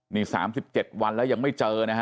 นี่๓๗วันแล้วยังไม่เจอนะฮะ